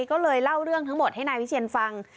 ก็เลยเล่าเรื่องทั้งหมดให้นายวิเชียนฟัง